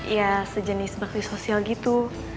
ya sejenis bakti sosial gitu